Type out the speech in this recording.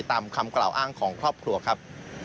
ตามคำกล่าวอ้างของครอบครัวครับ